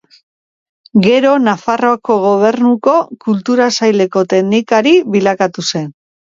Gero Nafarroako Gobernuko Kultura Saileko teknikari bilakatu zen.